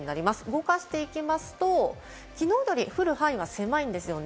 動かしていきますと、きのうより降る範囲は狭いんですよね。